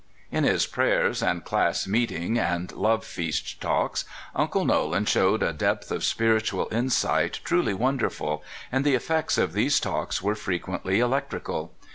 In his prayers, and class meeting and love feast talks. Uncle Nolan showed a depth of spiritual in sight truly wonderful, and the effects of these talks UNCLE NOLAN. 249 were frequentl}^ electrical.